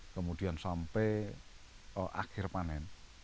kemudian sampai akhir panen